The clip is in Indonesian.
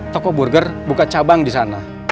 toko burger buka cabang disana